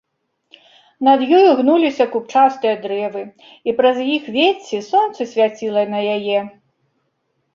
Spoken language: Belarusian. Над ёю гнуліся купчастыя дрэвы, і праз іх вецце сонца свяціла на яе.